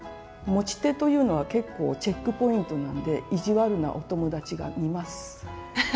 持ち手というのは結構チェックポイントなんで意地悪なお友達が見ます。